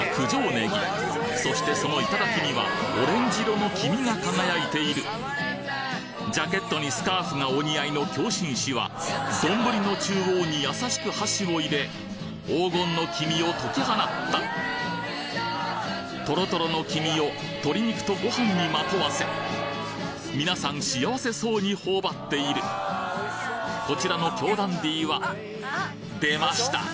ねぎそしてその頂にはオレンジ色の黄身が輝いているジャケットにスカーフがお似合いの京紳士は丼の中央に優しく箸を入れ黄金の黄身をとき放ったトロトロの黄身を鶏肉とご飯にまとわせ皆さん幸せそうに頬張っているこちらの京ダンディはでました！